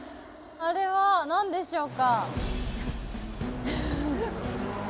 あれは何でしょうか？